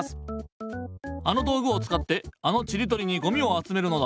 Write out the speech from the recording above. あのどうぐをつかってあのチリトリにゴミをあつめるのだ。